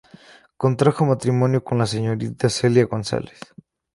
Contrajo matrimonio con la señorita Celia González.